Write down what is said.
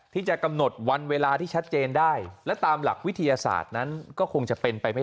ที่จะกำหนดวันเวลาที่ชัดเจนได้และตามหลักวิทยาศาสตร์นั้นก็คงจะเป็นไปไม่